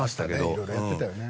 いろいろやってたよね。